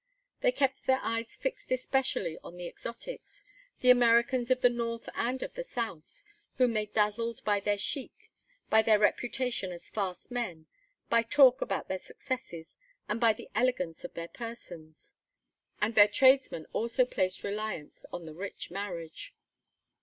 They kept their eyes fixed especially on the exotics, the Americans of the north and of the south, whom they dazzled by their "chic," by their reputation as fast men, by talk about their successes, and by the elegance of their persons. And their tradesmen also placed reliance on the rich marriage.